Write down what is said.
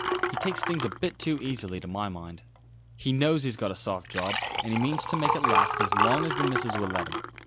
He takes things a bit too easily, to my mind. He knows he's got a soft job, and he means to make it last as long as the missus will let him.